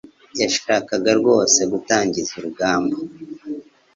Yashakaga rwose gutangiza urugamba.